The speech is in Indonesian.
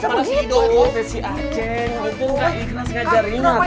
ceng kamu kenapa ikhlas ngajarinya kak